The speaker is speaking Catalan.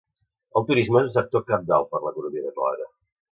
El turisme és un sector cabdal per a l'economia catalana.